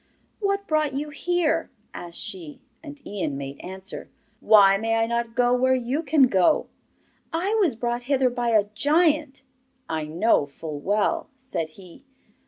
'What brought you here?' asked she. And Ian made answer: 'Why may I not go where you can go?' 'I was brought hither by a giant.' 'I know full well,' said he.